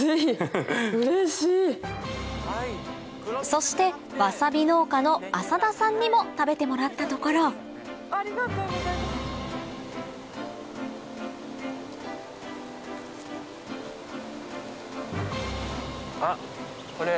そしてわさび農家の浅田さんにも食べてもらったところこれ。